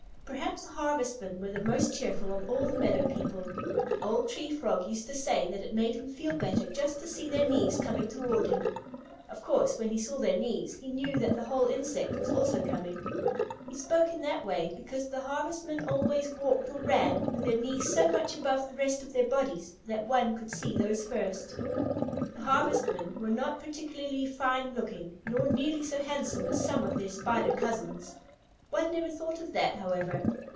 Perhaps the Harvestmen were the most cheerful of all the meadow people. The old Tree Frog used to say that it made him feel better just to see their knees coming toward him. Of course, when he saw their knees, he knew that the whole insect was also coming. He spoke in that way because the Harvestmen always walked or ran with their knees so much above the rest of their bodies that one could see those first. The Harvestmen were not particularly fine looking, not nearly so handsome as some of their Spider cousins. One never thought of that, however.